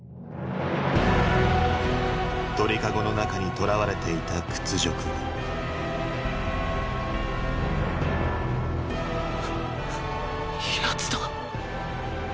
鳥籠の中に囚われていた屈辱をヤツだ。